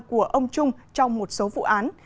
của ông trung trong một số vụ án